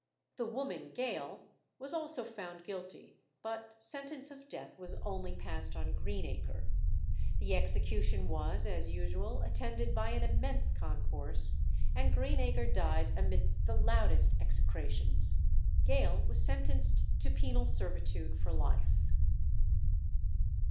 The woman Gale was also found guilty, but sentence of death was only passed on Greenacre. The execution was, as usual, attended by an immense concourse, and Greenacre died amidst the loudest execrations. Gale was sentenced to penal servitude for life.